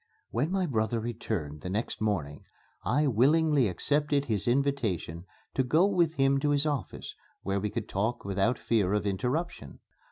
When my brother returned the next morning, I willingly accepted his invitation to go with him to his office, where we could talk without fear of interruption.